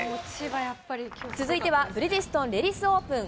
続いてはブリヂストンレディスオープン。